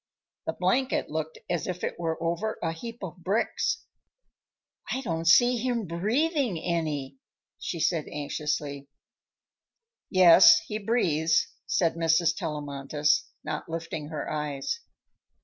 The blanket looked as if it were over a heap of bricks. "I don't see him breathing any," she said anxiously. "Yes, he breathes," said Mrs. Tellamantez, not lifting her eyes.